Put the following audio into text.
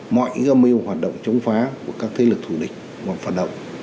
mọi gâm mưu hoạt động chống phá của các thế lực thủ địch và phản động